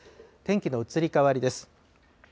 天気の移り変わりです。